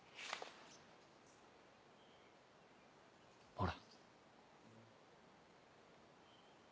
ほら。